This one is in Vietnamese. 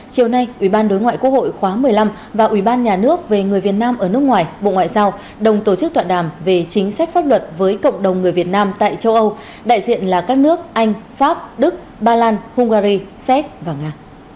chiều nay ủy ban đối ngoại quốc hội khóa một mươi năm và ủy ban nhà nước về người việt nam ở nước ngoài bộ ngoại giao đồng tổ chức tọa đàm về chính sách pháp luật với cộng đồng người việt nam tại châu âu đại diện là các nước anh pháp đức ba lan hungary séc và nga